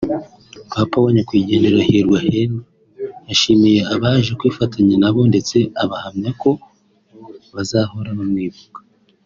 papa wa nyakwigendera Hirwa Henry yashimiye abaje kwifatanya nabo ndetse ahamyako bazahora bamwibuka